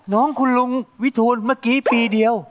น้องคุณลุงวิทูลเมื่อกี้ปีเดียว